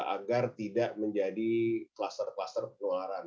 agar tidak menjadi kluster kluster penularan